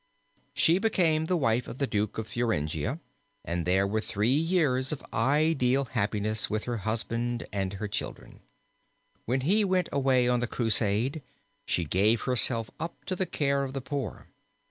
She became the wife of the Duke of Thuringia, and there were three years of ideal happiness with her husband and her children. When he went away on the Crusade she gave herself up to the care of the poor.